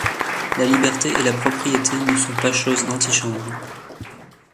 La liberté et la propriété ne sont pas choses d’antichambre.